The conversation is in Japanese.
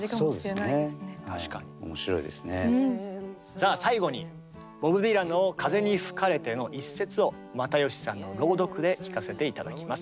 さあ最後にボブ・ディランの「風に吹かれて」の一節を又吉さんの朗読で聴かせて頂きます。